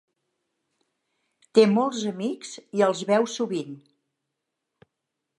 Té molts amics i els veu sovint.